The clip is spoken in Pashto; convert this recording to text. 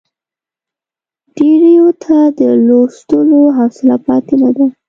ډېریو ته د لوستلو حوصله پاتې نه ده.